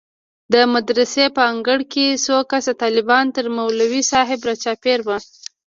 د مدرسې په انګړ کښې څو کسه طلبا تر مولوي صاحب راچاپېر وو.